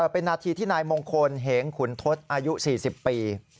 เป็นนาทีที่นายมงคลเหงขุนทศอายุ๔๐ปี